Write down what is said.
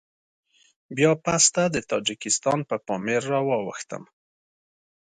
بيا پسته د تاجکستان په پامير راواوښتم.